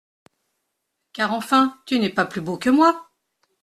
Car enfin tu n’es pas plus beau que moi.